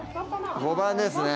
５番ですね。